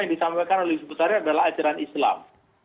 yang disampaikan oleh hizbut tahrir adalah ajaran islam